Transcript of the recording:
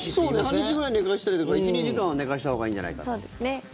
半日くらい寝かせたりとか１２時間は寝かせたほうがいいんじゃないか。